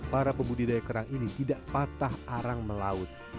para pembudidaya kerang ini tidak patah arang melaut